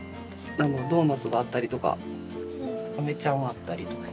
ドーナツがあったりとかあめちゃんがあったりとか。